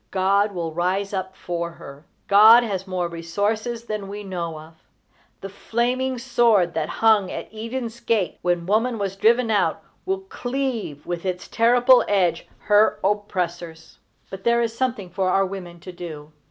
God will rise up for her. God has more resources than we know of. The flaming sword that hung at Eden's gate when woman was driven out will cleave with its terrible edge her oppressors. But there is something for our women to do.